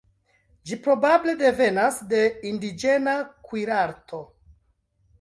Ĝi probable devenas de indiĝena kuirarto.